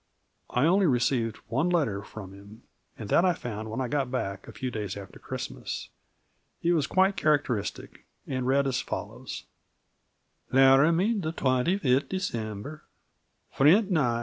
I only received one letter from him, and that I found when I got back, a few days after Christmas. It was quite characteristic, and read as follows: "Laramy the twenty fitt dec. FRENT NIE.